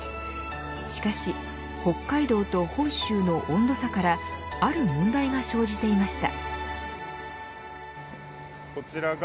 しかし、北海道と本州の温度差からある問題が生じていました。